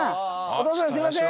おとうさんすいません。